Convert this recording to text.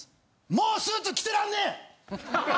もうスーツ着てらんねぇ！